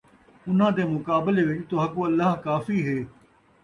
اُنھاں دے مقابلے وِچ تُہاکوں اللہ کافی ہے،